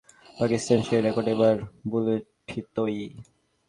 এবার খুলনায় বাংলাদেশের নখদন্তহীন বোলিংয়ের সামনে সেই পাকিস্তান সেই রেকর্ড এবার ভুলুন্ঠিতই।